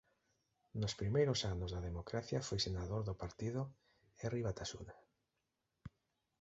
Nos primeiros anos da democracia foi senador do partido Herri Batasuna.